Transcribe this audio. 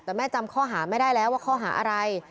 แต่แม่จำข้อหาไม่ได้แล้วว่าข้อหาอะไร